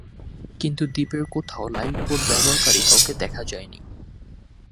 কিন্তু দ্বীপের কোথাও লাইফ বোট ব্যবহারকারী কাউকে দেখা যায়নি।